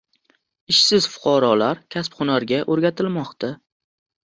Ishsiz fuqarolar kasb-hunarga o‘rgatilmoqda